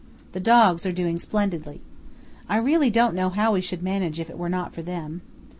The dogs are doing splendidly. I really don't know how we should manage if it were not for them....